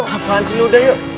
apaan sih lu udah yuk